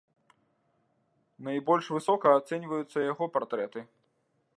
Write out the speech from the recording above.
Найбольш высока ацэньваюцца яго партрэты.